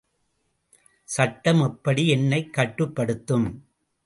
சட்டம் எப்படி என்னைக் கட்டுப்படுத்தும்?